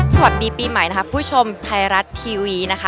สวัสดีปีใหม่นะคะผู้ชมไทยรัฐทีวีนะคะ